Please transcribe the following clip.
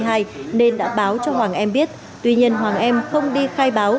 hoàng em đã báo cho hoàng em biết tuy nhiên hoàng em không đi khai báo